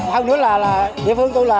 hơn nữa là địa phương tôi là